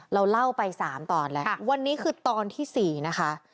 เราเล่าไป๓ตอนแล้ววันนี้คือตอนที่๔นะคะ